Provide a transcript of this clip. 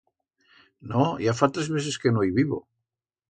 No, ya fa tres meses que no i vivo,